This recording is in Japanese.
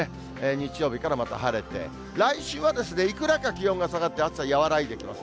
日曜日からまた晴れて、来週はいくらか気温が下がって、暑さ和らいできます。